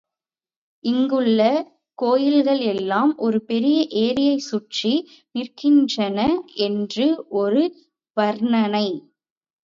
இங்குள்ள கோயில்கள் எல்லாம் ஒரு பெரிய ஏரியைச் சுற்றி நிற்கின்றன என்று ஒரு வர்ணனை.